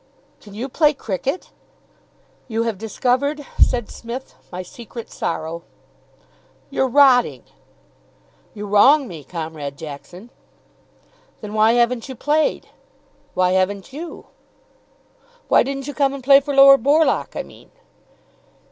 "Can you play cricket?" "You have discovered," said Psmith, "my secret sorrow." "You're rotting." "You wrong me, Comrade Jackson." "Then why haven't you played?" "Why haven't you?" "Why didn't you come and play for Lower Borlock, I mean?"